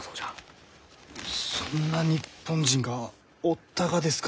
そんな日本人がおったがですか。